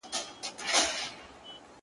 چي یې ستا له زخمه درد و احساس راکړ,